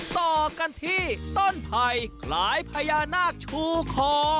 ต่อกันที่ต้นไผ่คล้ายพญานาคชูคอ